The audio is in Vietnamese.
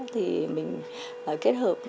thì mình kết hợp